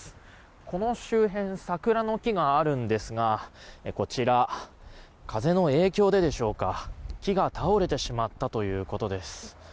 この周辺、桜の木があるんですがこちら、風の影響ででしょうか木が倒れてしまったということです。